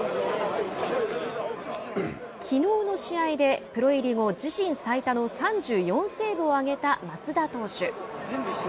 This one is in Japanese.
きのうの試合でプロ入り後、自身最多の３４セーブを挙げた益田投手。